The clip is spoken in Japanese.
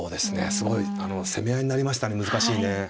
すごいあの攻め合いになりましたね難しいね。